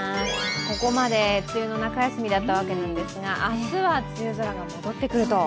ここまで梅雨の中休みだったわけなんですが明日は梅雨空が戻ってくると。